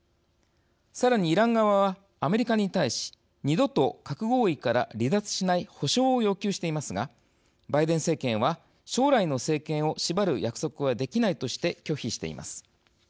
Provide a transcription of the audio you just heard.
さらに、イラン側はアメリカに対し「二度と核合意から離脱しない保証」を要求していますがバイデン政権は「将来の政権を縛る約束はできない」として、拒否しています。